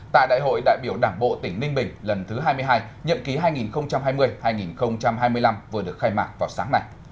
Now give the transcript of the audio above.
tại đại hội đại biểu đảng bộ tỉnh ninh bình lần thứ hai mươi hai nhậm ký hai nghìn hai mươi hai nghìn hai mươi năm vừa được khai mạc vào sáng nay